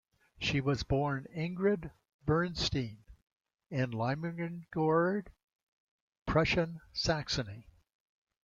She was born Ingrid Bernstein in Limlingerode, Prussian Saxony.